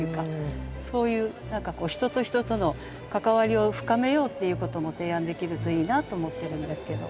そういう何かこう人と人との関わりを深めようっていうことも提案できるといいなと思ってるんですけど。